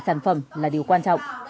sản phẩm là điều quan trọng